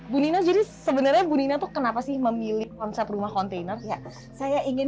bu nina jadi sebenarnya bu nina tuh kenapa sih memilih konsep rumah kontainer ya saya ingin